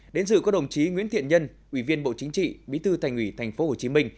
đến dự có đồng chí nguyễn thiện nhân ủy viên bộ chính trị bí thư thành ủy tp hcm